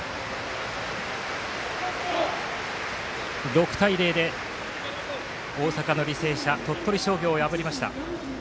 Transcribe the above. ６ 対０で大阪の履正社が鳥取商業を破りました。